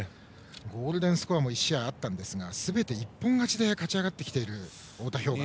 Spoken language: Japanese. ゴールデンスコアも１試合あったんですがすべて一本勝ちで勝ち上がってきている太田彪雅。